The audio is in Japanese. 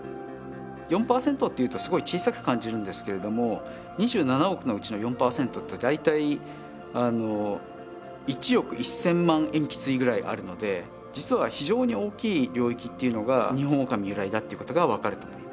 ４％っていうとすごい小さく感じるんですけれども２７億のうちの４％って大体１億１，０００万塩基対ぐらいあるので実は非常に大きい領域っていうのがニホンオオカミ由来だっていうことが分かると思います。